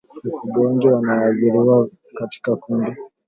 Mifugo wengine wanaoathiriwa katika kundi